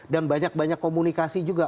dan banyak banyak komunikasi juga